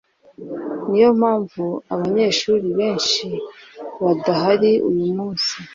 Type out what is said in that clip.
Niyo mpamvu abanyeshuri benshi badahari uyumunsi.